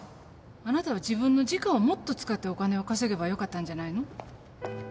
あなたは自分の時間をもっと使ってお金を稼げばよかったんじゃないの？